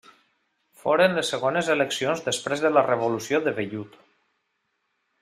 Foren les segones eleccions després de la Revolució de Vellut.